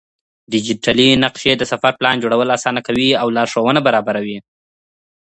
ډيجيټلي نقشې د سفر پلان جوړول آسانه کوي او لارښوونه برابروي.